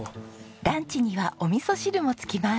ランチにはお味噌汁も付きます。